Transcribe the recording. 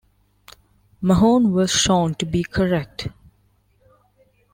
Mahon was shown to be correct.